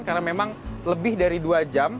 karena memang lebih dari dua jam